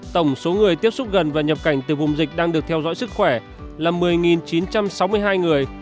tổng số người tiếp xúc gần và nhập cảnh từ vùng dịch đang được theo dõi sức khỏe là một mươi chín trăm sáu mươi hai người